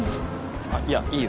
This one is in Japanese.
あっいやいいよ。